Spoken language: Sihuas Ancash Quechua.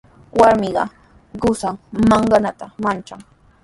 Warmiqa qusan maqananta manchan.